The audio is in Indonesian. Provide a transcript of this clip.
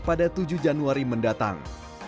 pada tujuh januari mendatang